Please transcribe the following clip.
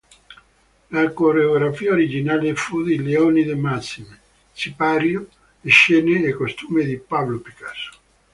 La coreografia originale fu di Léonide Massine, sipario, scene e costumi di Pablo Picasso.